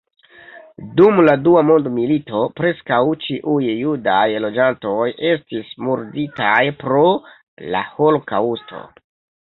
Dum la dua mondmilito preskaŭ ĉiuj judaj loĝantoj estis murditaj pro la holokaŭsto.